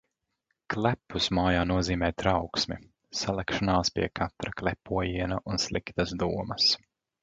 Klepus mājā nozīmē trauksmi. Salekšanos pie katra klepojiena un sliktas domas.